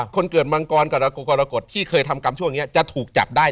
คนเกิดมังกรกับรากกรกฎที่เคยทำกรรมช่วงนี้จะถูกจับได้